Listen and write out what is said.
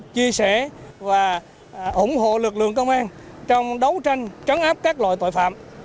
chia sẻ và ủng hộ lực lượng công an trong đấu tranh trấn áp các loại tội phạm